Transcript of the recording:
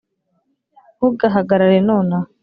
ntugahagarare nonaha.